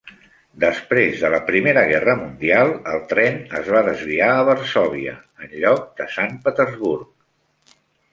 Després de la Primera Guerra Mundial, el tren es va desviar a Varsòvia en lloc de Sant Petersburg.